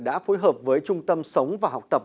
đã phối hợp với trung tâm sống và học tập